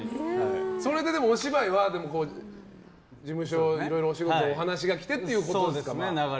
それでお芝居は事務所にお仕事のお話が来てということですね。